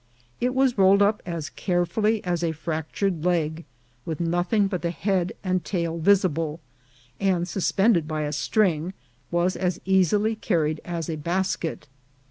It was rolled up as carefully as a fractured leg, with nothing but the head and tail visible ; and suspended by a string, was as easily carried as a basket.